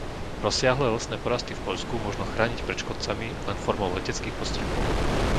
Rozsiahle lesné porasty v Poľsku možno chrániť pred škodcami len formou leteckých postrekov.